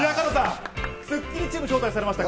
スッキリチーム、招待されました。